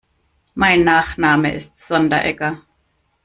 Mein Nachname ist Sonderegger.